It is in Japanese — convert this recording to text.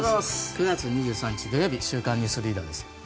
９月２３日、土曜日「週刊ニュースリーダー」です。